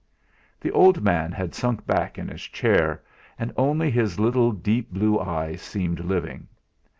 The old man had sunk back in his chair, and only his little deep blue eyes seemed living.